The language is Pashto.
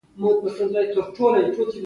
تاریخ لیکل کیږي.